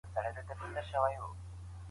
روښانه فکر د عادلانه پریکړو لامل کیږي.